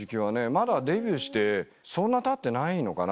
まだデビューしてそんなたってないのかな？